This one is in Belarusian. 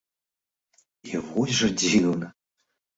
І вось жа дзіўна!